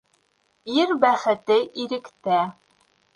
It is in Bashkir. Ир бәхете иректә.